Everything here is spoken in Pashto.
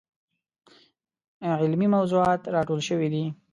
علمي موضوعات راټول شوي دي.